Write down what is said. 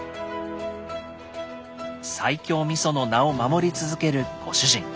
西京みその名を守り続けるご主人。